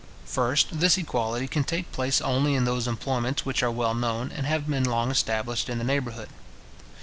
First, this equality can take place only in those employments which are well known, and have been long established in the neighbourhood.